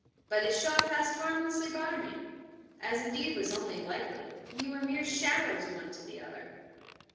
But his shot passed harmlessly by me: as indeed was only likely: we were mere shadows one to the other.